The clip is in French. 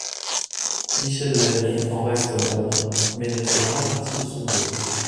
Michel Lasnier en reste membre, mais ne fait pas partie de son bureau.